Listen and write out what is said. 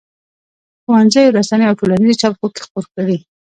ښوونځیو، رسنیو او ټولنیزو شبکو کې خپور کړي.